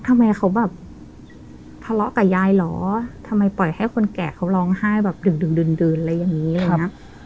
ทำไมเขาแบบทะเลาะกับยายหรอทำไมปล่อยให้คนแก่เขาร้องไห้แบบดึงอะไรอย่างนี้เลยนะ